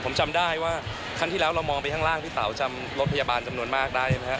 ผมจำได้ว่าคันที่แล้วเรามองไปข้างล่างพี่เต๋าจำรถพยาบาลจำนวนมากได้ไหมครับ